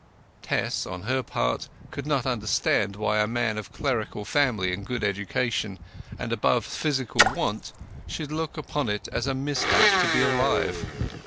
Tess, on her part, could not understand why a man of clerical family and good education, and above physical want, should look upon it as a mishap to be alive.